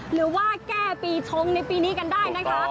หรือว่าแก้ปีชงในปีนี้กันได้นะคะ